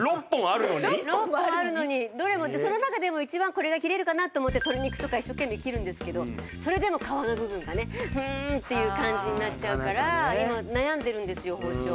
その中でも一番これが切れるかなって思って鶏肉とか一生懸命切るんですけどそれでも皮の部分がねフンーッていう感じになっちゃうから今悩んでるんですよ包丁。